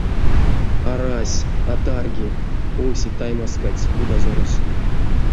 Арась, а тарги... — овсе таймазкадсь кудазорось.